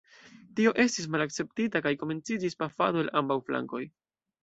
Tio estis malakceptita, kaj komenciĝis pafado el ambaŭ flankoj.